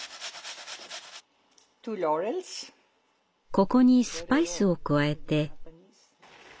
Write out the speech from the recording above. ここにスパイスを加えて。